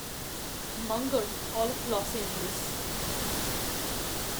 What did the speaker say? Munger, all of Los Angeles.